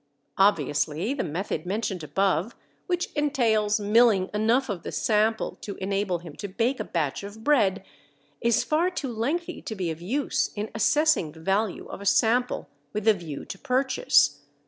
Obviously the method mentioned above, which entails milling enough of the sample to enable him to bake a batch of bread, is far too lengthy to be of use in assessing the value of a sample with a view to purchase.